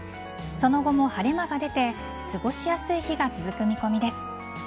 その後も晴れ間が出て過ごしやすい日が続く見込みです。